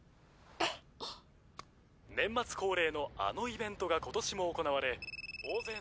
「年末恒例のあのイベントが今年も行われ」